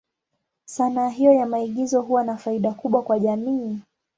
Sanaa hiyo ya maigizo huwa na faida kubwa kwa jamii.